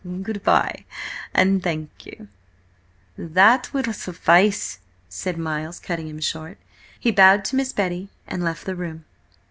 "Good bye, and thank you—" "That will suffice!" said Miles, cutting him short. He bowed to Miss Betty and left the room.